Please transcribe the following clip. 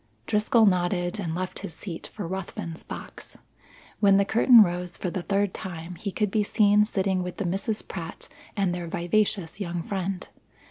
Driscoll nodded and left his seat for Ruthven's box. When the curtain rose for the third time he could be seen sitting with the Misses Pratt and their vivacious young friend.